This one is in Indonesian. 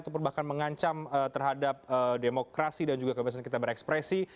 ataupun bahkan mengancam terhadap demokrasi dan juga kebebasan kita berekspresi